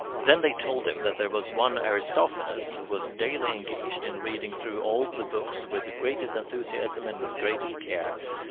Then they told him that there was one Aristophanes who was daily engaged in reading through all the books with the greatest enthusiasm and the greatest care.